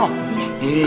diri diri diri